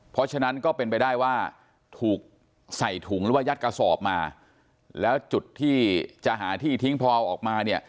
เพราะฉะนั้นก็เป็นไปได้ว่าถูกใส่ถุงหรือว่ายัดกระสอบมาแล้วจุดที่จะหาที่ทิ้งพอเอาออกมาเนี่ย